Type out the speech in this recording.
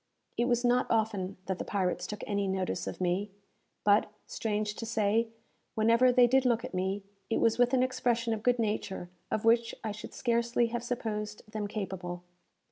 It was not often that the pirates took any notice of me; but, strange to say, whenever they did look at me, it was with an expression of good nature of which I should scarcely have supposed them capable.